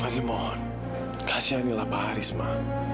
fadli mohon kasihanilah pak haris ma